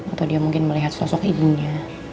atau dia mungkin melihat sosok ibunya